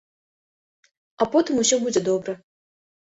А потым усё будзе добра.